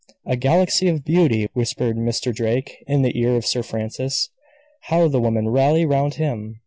"A galaxy of beauty!" whispered Mr. Drake in the ear of Sir Francis. "How the women rally round him!